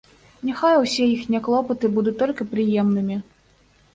Няхай усе іхнія клопаты будуць толькі прыемнымі.